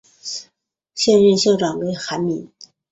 现任校长为韩民。